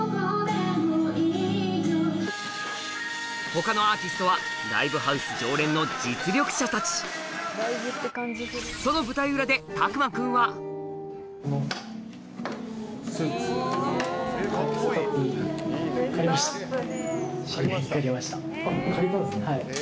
他のアーティストはライブハウス常連の実力者たちその借りたんですね。